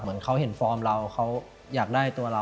เหมือนเขาเห็นฟอร์มเราเขาอยากได้ตัวเรา